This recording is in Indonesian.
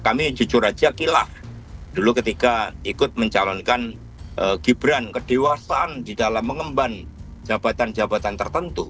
kami jujur aja kilah dulu ketika ikut mencalonkan gibran kedewasaan di dalam mengemban jabatan jabatan tertentu